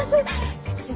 すいません